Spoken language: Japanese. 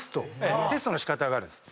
テストの仕方があるんです。